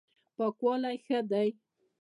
پاکوالی ښه دی.